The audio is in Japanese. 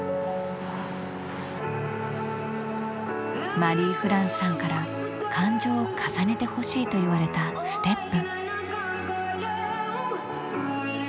マリー＝フランスさんから感情を重ねてほしいと言われたステップ。